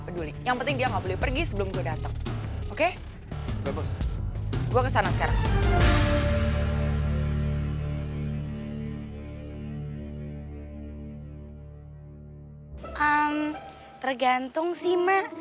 em tergantung sih mak